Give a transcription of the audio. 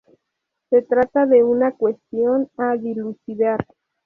Se trata de una cuestión a dilucidar.